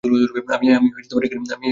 আমি এখানেই দাঁড়িয়ে।